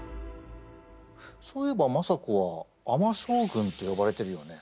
そういえば政子は尼将軍って呼ばれてるよね。